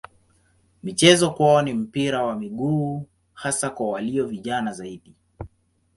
Michezo kwao ni mpira wa miguu hasa kwa walio vijana zaidi.